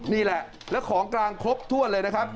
นี่แหละแล้วของกลางครบถ้วนเลยนะครับ